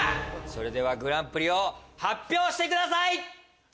それではグランプリを発表してください！